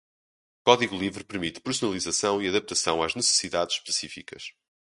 Código livre permite personalização e adaptação às necessidades específicas.